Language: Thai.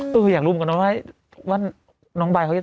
ทุกคนต้องมาอยู่แล้ว